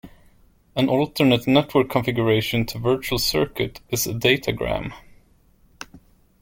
An alternate network configuration to virtual circuit is datagram.